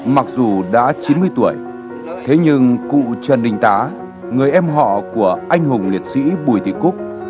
mặc dù đã chín mươi tuổi thế nhưng cụ trần đình tá người em họ của anh hùng liệt sĩ bùi thị cúc